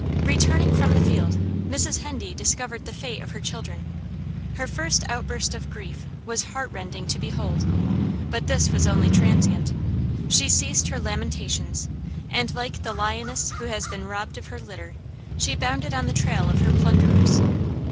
Returning from the field Mrs. Hendee discovered the fate of her children. Her first outburst of grief was heart rending to behold, but this was only transient; she ceased her lamentations, and like the lioness who has been robbed of her litter, she bounded on the trail of her plunderers.